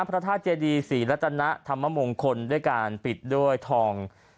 พระธาตุเจดีศรีรัตนธรรมมงคลด้วยการปิดด้วยทอง